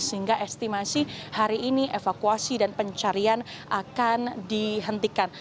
sehingga estimasi hari ini evakuasi dan pencarian akan dihentikan